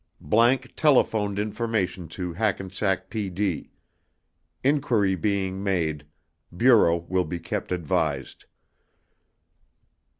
____ TELEPHONED INFORMATION TO HACKENSACK PD. INQUIRY BEING MADE, BUREAU WILL BE KEPT ADVISED.